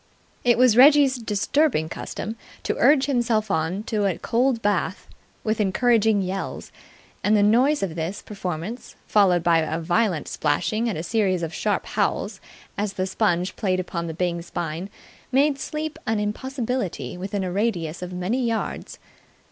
It was Reggie's disturbing custom to urge himself on to a cold bath with encouraging yells; and the noise of this performance, followed by violent splashing and a series of sharp howls as the sponge played upon the Byng spine, made sleep an impossibility within a radius of many yards.